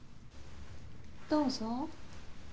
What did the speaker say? どうぞ。